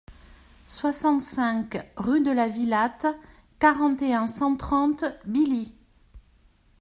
soixante-cinq rue de la Vilatte, quarante et un, cent trente, Billy